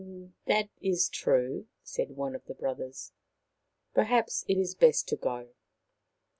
" That is true," said one of the brothers. " Per haps it is best to go."